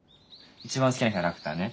一番好きなキャラクターね。